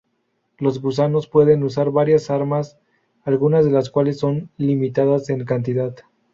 Los gusanos pueden usar varias armas, algunas de las cuales son limitadas en cantidad.